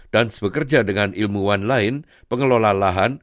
dan bekerja dengan ilmuwan lain pengelola lahan